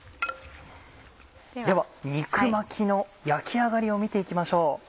では肉巻きの焼き上がりを見て行きましょう。